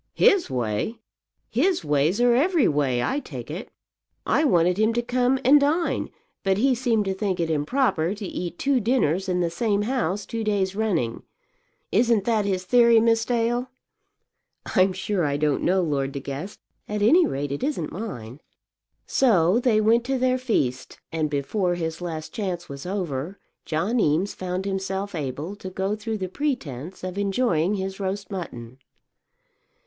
"His way! His ways are every way, I take it. I wanted him to come and dine, but he seemed to think it improper to eat two dinners in the same house two days running. Isn't that his theory, Miss Dale?" "I'm sure I don't know, Lord De Guest. At any rate, it isn't mine." So they went to their feast, and before his last chance was over John Eames found himself able to go through the pretence of enjoying his roast mutton.